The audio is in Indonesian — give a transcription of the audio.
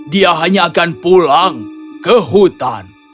dia hanya akan pulang ke hutan